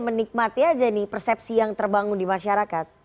menikmati aja nih persepsi yang terbangun di masyarakat